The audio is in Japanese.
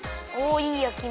いいやきめ！